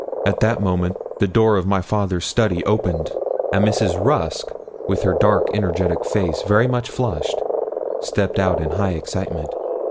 At that moment the door of my father's study opened, and Mrs. Rusk, with her dark energetic face very much flushed, stepped out in high excitement.